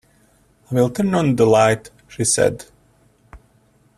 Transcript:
"I will turn on the light," she said.